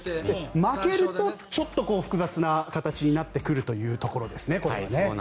負けるとちょっと複雑な形になってくるということですね。